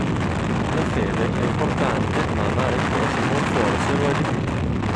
La fede è importante ma amare il prossimo forse lo è di più.